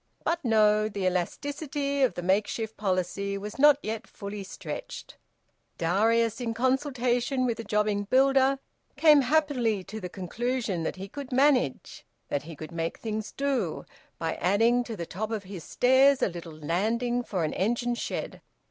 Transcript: But no! The elasticity of the makeshift policy was not yet fully stretched. Darius, in consultation with a jobbing builder, came happily to the conclusion that he could `manage,' that he could `make things do,' by adding to the top of his stairs a little landing for an engine shed.